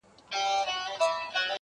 تا تصور کې رانېږدې کړم ورته